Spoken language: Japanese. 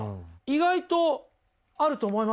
意外とあると思いません？